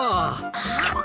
あっ。